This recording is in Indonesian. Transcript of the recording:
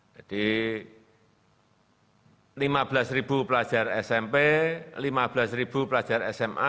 jadi lima belas pelajar smp lima belas pelajar sma